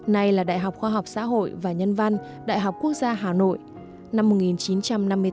này là đại học khoa học xã hội và nhân văn đại học quốc gia hà nội